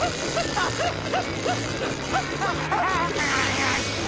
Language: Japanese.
ハハハハ！